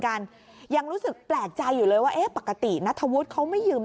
กันยังรู้สึกแปลกใจอยู่เลยว่าเอ๊ะปกตินัทธวุฒิเขาไม่ยืม